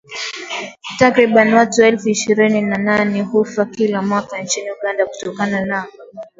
Takriban watu elfu ishirini na nane hufa kila mwaka nchini Uganda kutokana na